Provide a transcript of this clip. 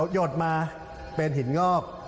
หดมาเป็นหินงอก